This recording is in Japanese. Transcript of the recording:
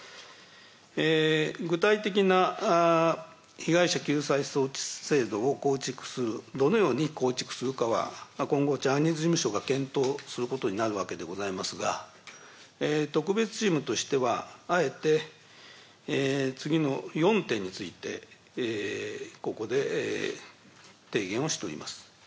具体的な被害者救済措置制度を構築する、どのように構築するかは、今後、ジャニーズ事務所が検討することになるわけでございますが、特別チームとしては、あえて次の４点についてここで提言をしております。